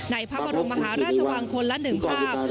ในพระบรมมหาราชวังคนละหนึ่งภาพ